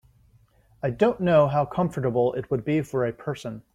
I don’t know how comfortable it would be for a person.